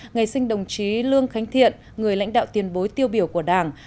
ngày sinh đồng chí lương khánh thiện người lãnh đạo tiền bối tiêu biểu của đảng